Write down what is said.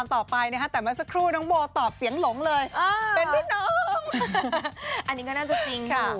ในการขอบน้ำเป็นแฟนเนอะ